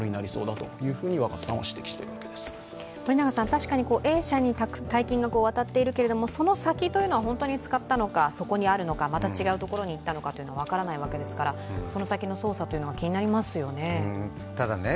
確かにＡ社に大金がわたっているけれどもその先というのは本当に使ったのかそこにあるのかまた違うところにいったのか、分からないわけですからその先の捜査というのが気になりますよね。